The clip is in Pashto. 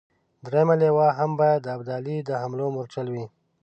درېمه لواء هم باید د ابدالي د حملو مورچل وي.